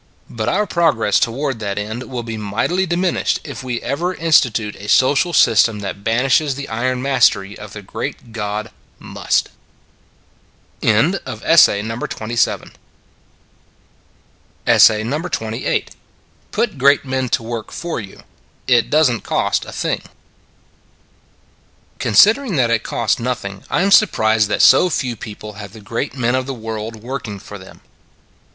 But our progress toward that end will be mightily diminished if we ever in stitute a social system that banishes the iron mastery of the great god " Must." PUT GREAT MEN TO WORK FOR YOU: IT DOESN T COST ANYTHING CONSIDERING that it costs nothing, I am surprised that so few people have the great men of the world working for them.